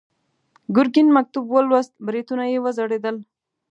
ګرګين مکتوب ولوست، برېتونه يې وځړېدل.